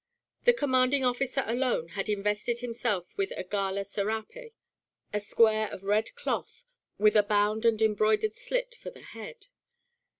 The commanding officer alone had invested himself with a gala serape, a square of red cloth with a bound and embroidered slit for the head.